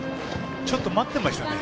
ちょっと待ってましたね。